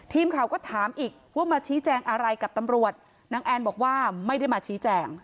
ทีมข่าวก็ถามอีกว่ามาชี้แจงอะไรกับตำรวจนางแอนบอกว่าไม่ได้มาชี้แจง